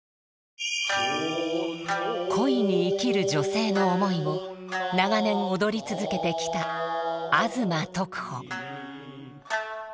恋に生きる女性の思いを長年踊り続けてきた吾妻徳穂。